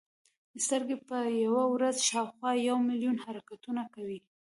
سترګې په یوه ورځ شاوخوا یو ملیون حرکتونه کوي.